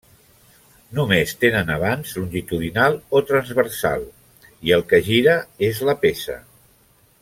Només tenen avanç longitudinal o transversal, i el que gira és la peça.